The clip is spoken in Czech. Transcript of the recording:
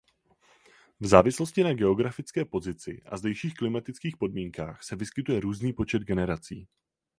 V závislosti na geografické pozici a zdejších klimatických podmínkách se vyskytuje různý počet generací.